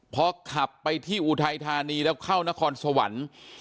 พอขับไปที่อุทัยธานีแล้วเข้านครสวรรค์